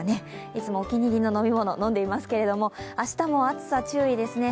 いつもお気に入りの飲み物飲んでいますけれども、明日も暑さ注意ですね。